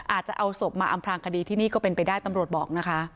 อาจจะเอาศพมาอำพลางคดีที่นี่ก็เป็นไปได้ตำรวจบอกนะคะ